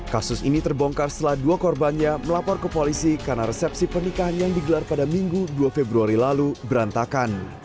kasus ini terbongkar setelah dua korbannya melapor ke polisi karena resepsi pernikahan yang digelar pada minggu dua februari lalu berantakan